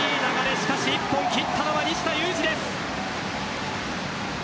しかし１本切ったのは西田有志です。